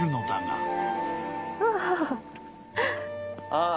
ああ。